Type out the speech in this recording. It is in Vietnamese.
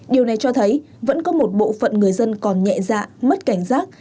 điều này cho thấy vẫn có một bộ phận người dân còn nhẹ dạ mất cảnh giác